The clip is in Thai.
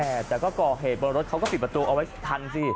แต่ก็ก่อเหตุบนรถเขาก็ปิดประตูเอาไว้ทันสิ